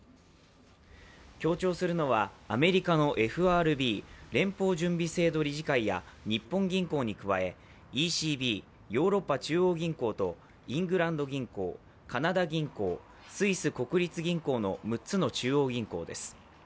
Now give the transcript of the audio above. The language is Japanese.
協調するのは、アメリカのＦＲＢ＝連邦準備理事会や日本銀行に加え、ＥＣＢ＝ヨーロッパ中央銀行とイングランド銀行、カナダ銀行スイス国立銀行の６つの中央銀行です。